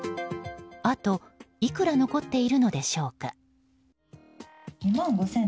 あと、いくら残っているのでしょうか？